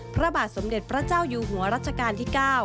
พระบาทสมเด็จพระเจ้าอยู่หัวรัชกาลที่๙